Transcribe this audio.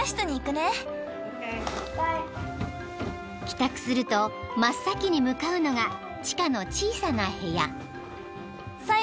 ［帰宅すると真っ先に向かうのが地下の小さな部屋］